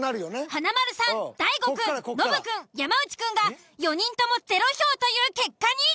華丸さん大悟くんノブくん山内くんが４人ともゼロ票という結果に！